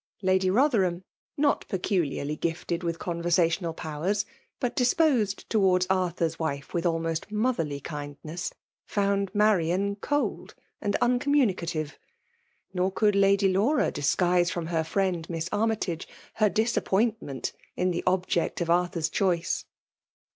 lyady Boiherham^ not peculiarly gifted wi^ conver sational powers, but disposed towards ^rth^r's wife with almost motherly kindpess^ Jbund Marian cold and uncommunicative ; nor could Lady Laura disguise from her friend Mjas Armytage her disappointment in the object of Arthur's choice.